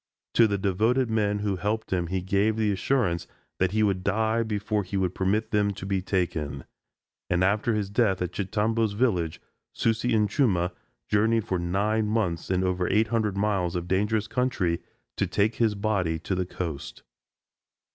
To the devoted men who helped him he gave the assurance that he would die before he would permit them to be taken; and after his death at Chitambo's village Susi and Chuma journeyed for nine months and over eight hundred miles of dangerous country to take his body to the coast.